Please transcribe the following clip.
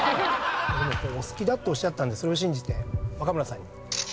お好きだっておっしゃったんでそれを信じて若村さんに。